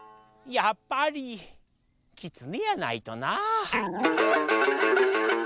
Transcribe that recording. やっぱりきつねやないとな。